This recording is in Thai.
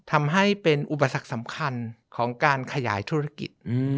ทำให้เป็นอุปสรรคสำคัญของการขยายธุรกิจ